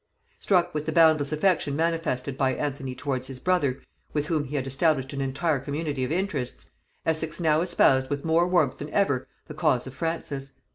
Struck with the boundless affection manifested by Anthony towards his brother, with whom he had established an entire community of interests, Essex now espoused with more warmth than ever the cause of Francis.